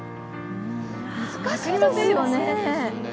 難しいですよねえ。